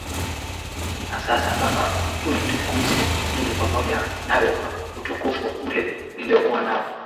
Na sasa Baba unitukuze mimi pamoja nawe kwa utukufu ule niliokuwa nao